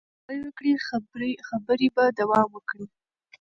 که خلک درناوی وکړي خبرې به دوام وکړي.